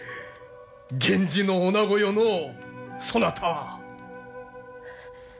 源氏の女子よのうそなたは。